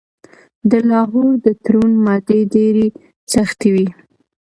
د لاهور د تړون مادې ډیرې سختې وې.